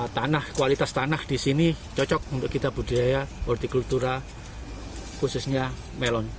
tanah kualitas tanah di sini cocok untuk kita budidaya hortikultura khususnya melon